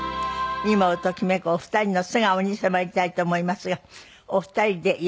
今をときめくお二人の素顔に迫りたいと思いますがお二人でＹＯＡＳＯＢＩ？